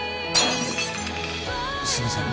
すいません。